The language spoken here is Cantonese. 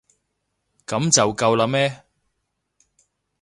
噉就夠喇咩？